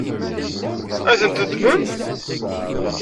Ad tent-teddmem?